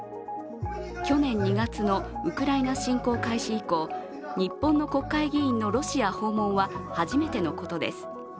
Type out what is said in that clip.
去年２月のウクライナ侵攻開始以降日本の国会議員のロシア訪問は初めてのことです。